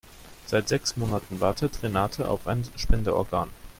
Seit sechs Monaten wartet Renate auf ein Spenderorgan.